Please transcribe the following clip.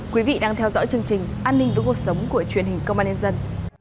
quý vị đang theo dõi chương trình an ninh với cuộc sống của truyền hình công an nhân dân